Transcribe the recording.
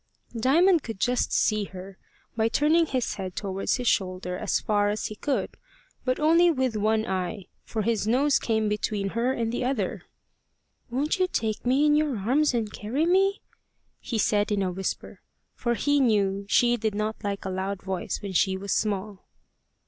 Diamond could just see her, by turning his head towards his shoulder as far as he could, but only with one eye, for his nose came between her and the other. "Won't you take me in your arms and carry me?" he said in a whisper, for he knew she did not like a loud voice when she was small.